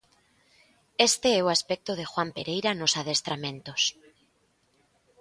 E este é o aspecto de Juan Pereira nos adestramentos.